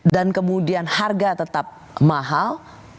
dan kemudian harga tetap mahal